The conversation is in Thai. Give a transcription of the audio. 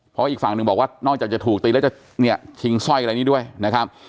เพราะอีกฝั่งหนึ่งบอกว่านอกจากจะถูกตีแล้วจะเนี่ยชิงสร้อยอะไรนี้ด้วยนะครับ